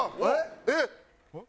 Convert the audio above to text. えっ？